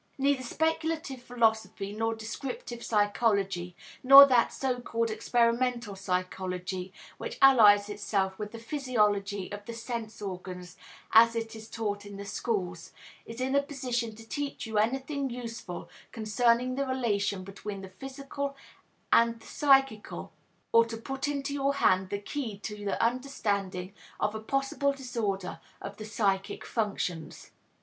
Neither speculative philosophy nor descriptive psychology nor that so called experimental psychology which allies itself with the physiology of the sense organs as it is taught in the schools, is in a position to teach you anything useful concerning the relation between the physical and the psychical or to put into your hand the key to the understanding of a possible disorder of the psychic functions.